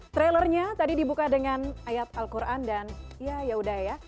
trailernya tadi dibuka dengan ayat al quran dan ya yaudah ya